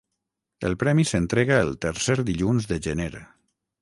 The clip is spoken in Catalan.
El premi s'entrega el tercer dilluns de gener.